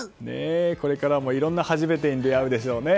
これからもいろんな初めてに出会うでしょうね。